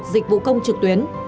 một mươi một dịch vụ công trực tuyến